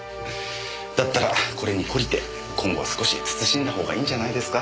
だったらこれに懲りて今後は少し慎んだ方がいいんじゃないですか？